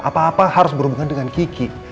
apa apa harus berhubungan dengan kiki